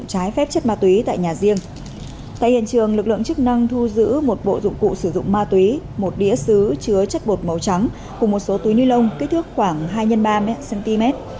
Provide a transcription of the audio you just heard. tại hiện trường lực lượng chức năng thu giữ một bộ dụng cụ sử dụng ma túy một đĩa xứ chứa chất bột màu trắng cùng một số túi ni lông kích thước khoảng hai x ba mươi cm